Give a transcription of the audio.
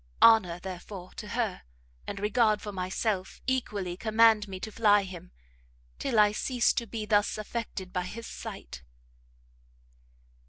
Honour, therefore, to her, and regard for myself, equally command me to fly him, till I cease to be thus affected by his sight."